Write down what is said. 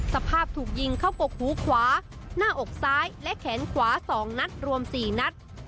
สภาพถูกยิงเข้ากกหูขวาหน้าอกซ้ายและแขนขวา๒นัดรวม๔นัด